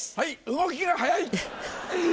動きが速い！